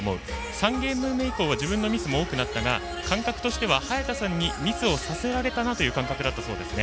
３ゲーム目以降は自分のミスも多くなったが感覚としては早田さんにミスをさせられたなという感覚だったそうですね。